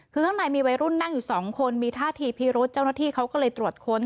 คือข้างในมีวัยรุ่นนั่งอยู่สองคนมีท่าทีพิรุษเจ้าหน้าที่เขาก็เลยตรวจค้น